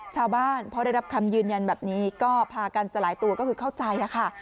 ชาวบ้านพอได้รับคำยืนยันแบบนี้ก็พากันสลายตัวก็คือเข้าใจค่ะ